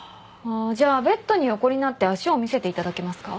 じゃあベッドに横になって足を見せていただけますか。